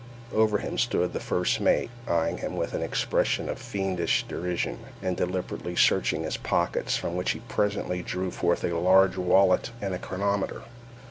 Over him stood the first mate, eyeing him with an expression of fiendish derision, and deliberately searching his pockets, from which he presently drew forth a large wallet and a chronometer.